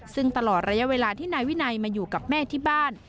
ซึ่งตลอดระยะเวลาที่นายวินัยมาอยู่กับแม่ที่บ้าน